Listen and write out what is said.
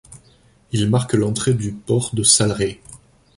Il marque l'entrée du port de Sal Rei.